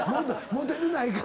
モテてないからな。